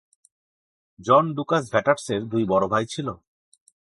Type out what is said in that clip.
জন Dukas ভ্যাটাটসের দুই বড় ভাই ছিল।